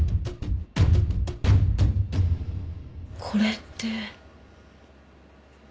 これって。